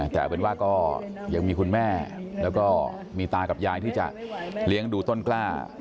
แต่เอาเป็นว่าก็ยังมีคุณแม่แล้วก็มีตากับยายที่จะเลี้ยงดูต้นกล้า